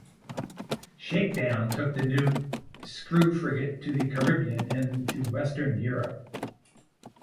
Shakedown took the new screw frigate to the Caribbean and to Western Europe.